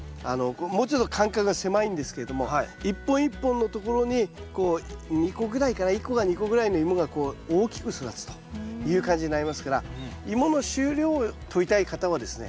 もうちょっと間隔が狭いんですけれども一本一本のところにこう２個ぐらいかな１個か２個ぐらいのイモがこう大きく育つという感じになりますからイモの収量をとりたい方はですね